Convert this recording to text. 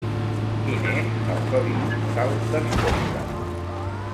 Quin és el codi postal d'Escorca?